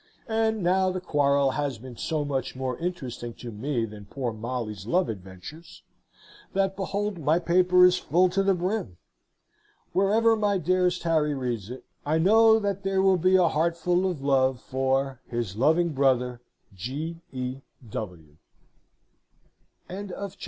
and now the quarrel has been so much more interesting to me than poor Molly's love adventures, that behold my paper is full to the brim! Wherever my dearest Harry reads it, I know that there will be a heart full of love for His loving brother, G. E.